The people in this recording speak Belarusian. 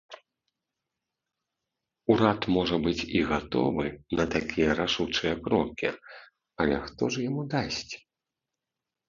Урад, можа быць, і гатовы на такія рашучыя крокі, але хто ж яму дасць?